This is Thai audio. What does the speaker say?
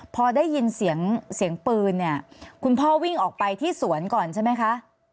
พอได้ยินเสียงเสียงปืนเนี่ยคุณพ่อวิ่งออกไปที่สวนก่อนใช่ไหมคะ